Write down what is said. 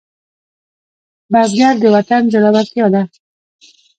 بزګر د وطن زړورتیا ده